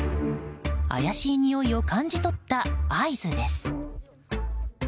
怪しいにおいを感じ取った合図です。